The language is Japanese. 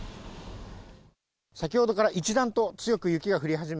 先ほどから一段と強く雪が降り始め